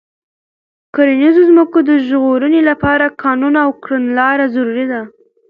د کرنیزو ځمکو د ژغورنې لپاره قانون او کړنلاره ضروري ده.